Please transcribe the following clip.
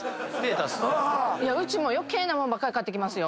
うちも余計なもんばっか買ってきますよ。